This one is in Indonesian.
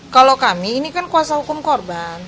kalau kami ini kan kuasa hukum korban